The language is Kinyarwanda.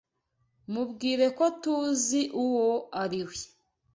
Mubwire ko TUZI uwo ari we.